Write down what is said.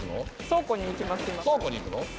倉庫に行くの？